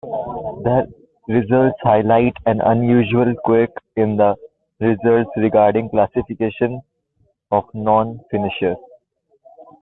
The results highlight an unusual quirk in the rules regarding classification of non-finishers.